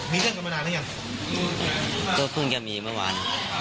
ไม่ได้มีเมื่อวาน